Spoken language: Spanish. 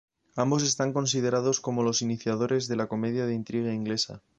Ambos están considerados como los iniciadores de la comedia de intriga inglesa.